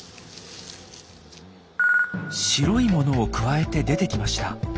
白いものをくわえて出てきました。